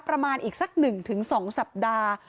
ประมาณอีกสัก๑๒สัปดาห์